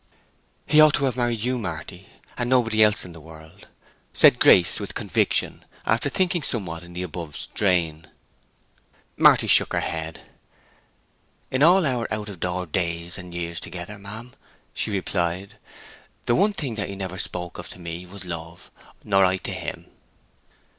"He ought to have married you, Marty, and nobody else in the world!" said Grace, with conviction, after thinking somewhat in the above strain. Marty shook her head. "In all our out door days and years together, ma'am," she replied, "the one thing he never spoke of to me was love; nor I to him."